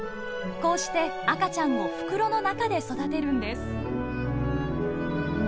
こうして赤ちゃんを袋の中で育てるんです。